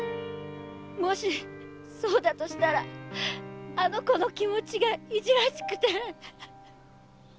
もしそうだとしたらあの子の気持ちがいじらしくて。